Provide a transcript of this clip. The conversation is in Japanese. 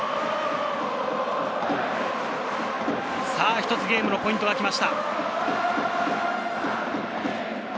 さぁ、一つ、ゲームのポイントが来ました。